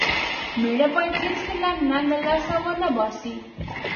مېړه بايد هيڅکله ننګ له لاسه و نه باسي.